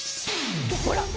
ほら。